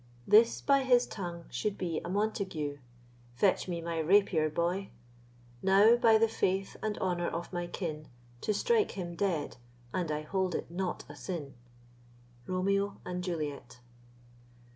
This by his tongue should be a Montague! Fetch me my rapier, boy; Now, by the faith and honour of my kin, To strike him dead I hold it not a sin. Romeo and Juliet.